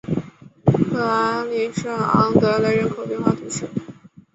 克莱里圣昂德雷人口变化图示